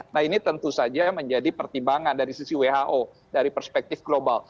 nah ini tentu saja menjadi pertimbangan dari sisi who dari perspektif global